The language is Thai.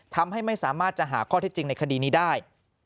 ทำให้ไม่สามารถจะหาข้อเท็จจริงในคดีนี้ได้